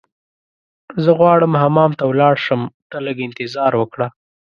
زه غواړم حمام ته ولاړ شم، ته لږ انتظار وکړه.